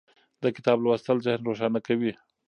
د کتاب لوستل ذهن روښانه کوي.